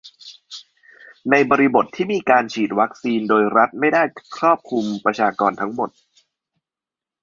ในบริบทที่การฉีดวีคซีนโดยรัฐไม่ได้ครอบคลุมประชากรทั้งหมด